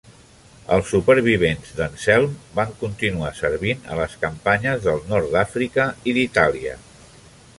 Els supervivents d'"Anselm" van continuar servint a les campanyes del Nord d'Àfrica i d'Itàlia.